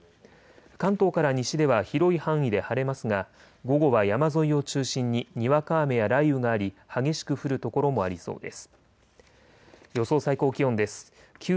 関東から西では広い範囲で晴れますが午後は山沿いを中心ににわか雨や雷雨があり激しく降る所もありそうです。